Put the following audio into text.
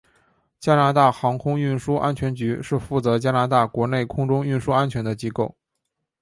加拿大航空运输安全局是负责加拿大国内空中运输安全的机构。